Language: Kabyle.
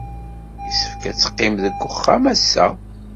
Yessefk ad teqqim deg wexxam ass-a?